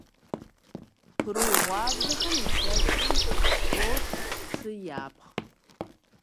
Къру гъуабжэхэм илъэсым тӀэу цы япхъ.